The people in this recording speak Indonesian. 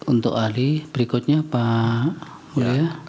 untuk ahli berikutnya pak mulia